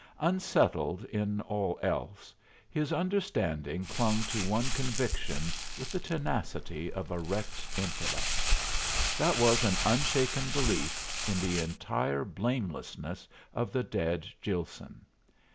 Unsettled in all else, his understanding clung to one conviction with the tenacity of a wrecked intellect. That was an unshaken belief in the entire blamelessness of the dead Gilson.